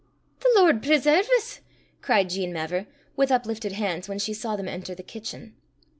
"The Lord preserve 's!" cried Jean Mavor, with uplifted hands, when she saw them enter the kitchen.